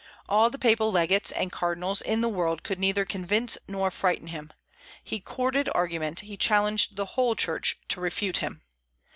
All the papal legates and cardinals in the world could neither convince nor frighten him. He courted argument; he challenged the whole Church to refute him.